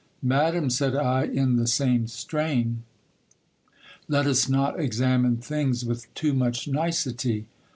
Madam, said I in the same strain, let us not examine things with too much nicety.